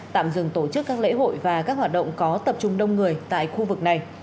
tạm dừng tổ chức các lễ hội và các hoạt động có tập trung đông người tại khu vực này